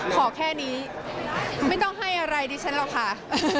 ขอแค่นี้ไม่ต้องให้อะไรดิฉันหรอกค่ะ